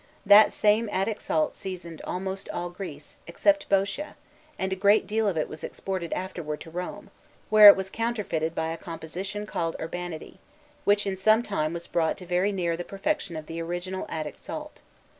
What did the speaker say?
That same Attic salt seasoned almost all Greece, except Boeotia, and a great deal of it was exported afterward to Rome, where it was counterfeited by a composition called Urbanity, which in some time was brought to very near the perfection of the original Attic salt.